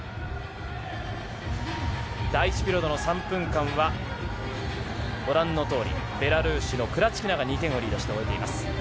第１ピリオドの３分間は、ご覧のとおり、ベラルーシのクラチキナが２点をリードして終えています。